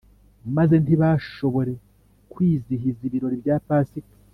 maze ntibashobore kwizihiza ibirori bya pasika